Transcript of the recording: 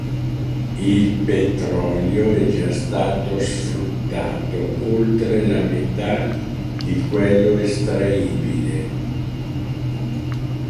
Il petrolio è già stato sfruttato oltre la metà di quello estraibile.